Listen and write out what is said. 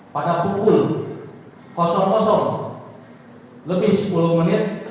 pada pukul lebih sepuluh menit